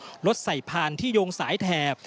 ซ้ายบรรคังสะพานรถใส่ผ่านที่โยงสายแถแทบ